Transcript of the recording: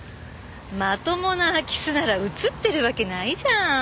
まともな空き巣なら映ってるわけないじゃん。